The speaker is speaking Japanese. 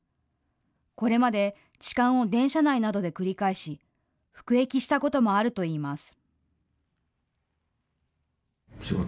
これまで痴漢を電車内などで繰り返し服役したこともあるといいます。